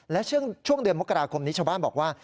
และช่วงเดือนมกราคมนี้ชาวบ้านบอกว่า